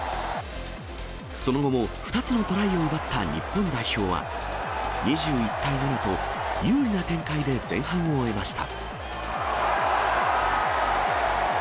その後も２つのトライを奪った日本代表は、２１対７と、有利な展開で前半を終えました。